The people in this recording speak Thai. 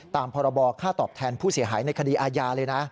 พรบค่าตอบแทนผู้เสียหายในคดีอาญาเลยนะ